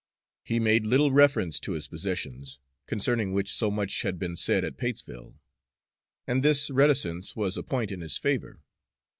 He made little reference to his possessions, concerning which so much had been said at Patesville; and this reticence was a point in his favor.